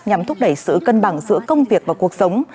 nhằm thúc đẩy sự cân bằng giữa công việc và cuộc sống